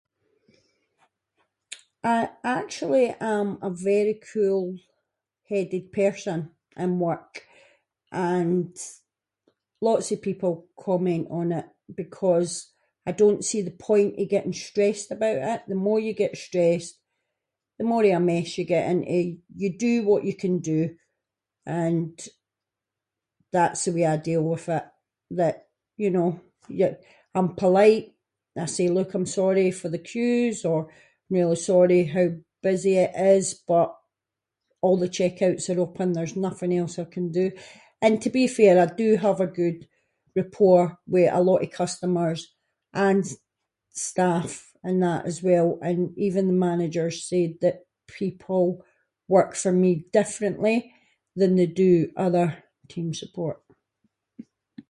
I actually am a very cool-headed person in work and lots of people comment on it because I don’t see the point of getting stressed about it, the more you get stressed, the more of a mess you get into. You do what you can do, and that’s the way I deal with it that you know, y- I’m polite and I say look I’m sorry for the queues, or I’m really sorry how busy it is, but all the checkouts are open, there’s nothing else I can do, and to be fair I do have a good rapport with a lot of customers and s- staff and that as well and even the managers said that people work for me differently than they do other team support.